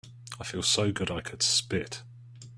I feel so good I could spit.